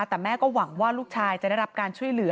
แต่แม่ก็หวังว่าลูกชายจะได้รับการช่วยเหลือ